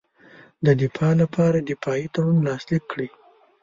د دفاع لپاره دفاعي تړون لاسلیک کړي.